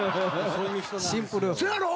シンプル。